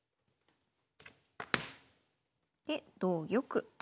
で同玉。